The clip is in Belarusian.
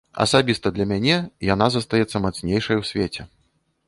Асабіста для мяне яна застаецца мацнейшай у свеце.